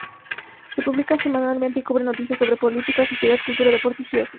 Se publica semanalmente y cubre noticias sobre política, sociedad, cultura, deportes y ocio.